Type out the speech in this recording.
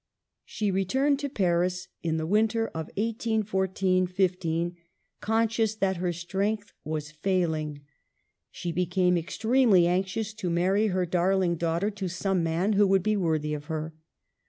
She returned to Paris in the winter of 1814 15, and, conscious that her strength was failing, she became extremely anxious to marry her dar ling daughter to some man who would be worthy of her.